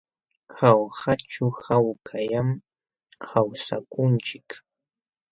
Jaujaćhu hawkallam kawsakunchik.